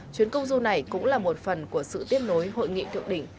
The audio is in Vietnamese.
chuyến công du này cũng là một phần của sự tiếp nối hội nghị thượng đỉnh